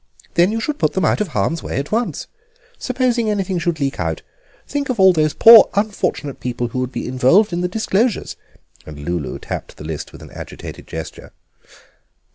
"Then you should put them out of harm's way at once. Supposing anything should leak out, think of all these poor, unfortunate people who would be involved in the disclosures," and Lulu tapped the list with an agitated gesture.